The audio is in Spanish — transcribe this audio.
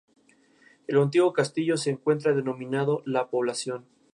A pesar de su nombre, el barrio no está situado realmente en una isla.